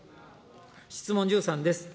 質問１３です。